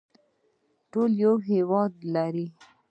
ټول یو هیواد لري